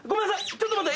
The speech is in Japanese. ちょっと待って！